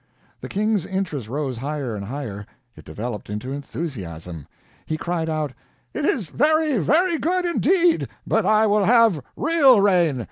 The King's interest rose higher and higher; it developed into enthusiasm. He cried out: "It is very, very good, indeed! But I will have real rain!